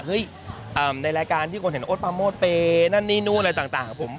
ในรายการที่คนเห็นโอ๊ตปาโมดไปนั่นนี่นู่นอะไรต่างของผม